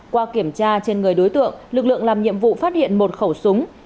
qua kiểm tra trên người đối tượng lực lượng làm nhiệm vụ phát hiện một khẩu súng